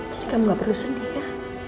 jadi kamu nggak perlu sedih ya